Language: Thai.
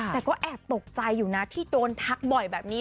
แต่ก็แอบตกใจอยู่นะที่โดนทักบ่อยแบบนี้